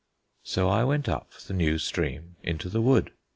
So I went up the new stream into the wood.